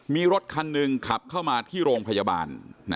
มีรถคันหนึ่งขับเข้ามาที่โรงพยาบาล